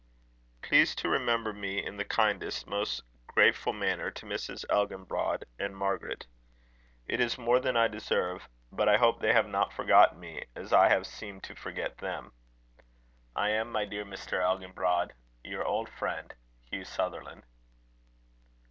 Please to remember me in the kindest, most grateful manner to Mrs. Elginbrod and Margaret. It is more than I deserve, but I hope they have not forgotten me as I have seemed to forget them. "I am, my dear Mr. Elginbrod, "Your old friend, "HUGH SUTHERLAND."